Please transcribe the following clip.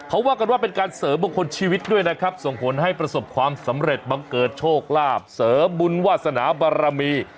เขาว่ากันว่าเป็นการเสริมมงคลชีวิตด้วยนะครับส่งผลให้ประสบความสำเร็จบังเกิดโชคลาภเสริมบุญวาสนาบารมี